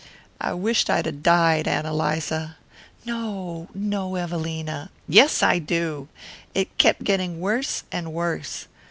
I wisht I'd ha' died, Ann Eliza." "No, no, Evelina." "Yes, I do. It kept getting worse and worse.